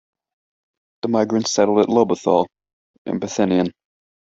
The migrants settled at Lobethal, and Bethenien.